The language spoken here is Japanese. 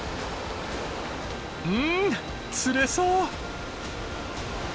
うん釣れそう。